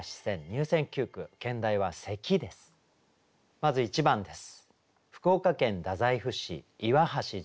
まず１番です。